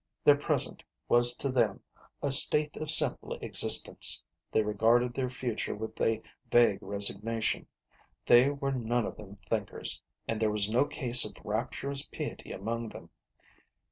Their present was to them a state of simple existence, they regarded their future with a vague resignation ; they were none of them thinkers, and there was no case of rapturous piety among them.